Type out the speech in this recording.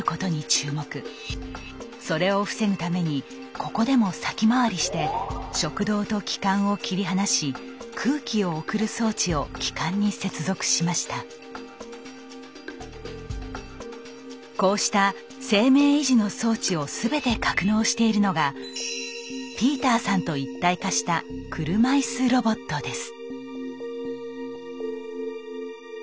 それを防ぐためにここでも先回りして食道と気管を切り離しこうした生命維持の装置を全て格納しているのがピーターさんと一体化した車いすロボットです。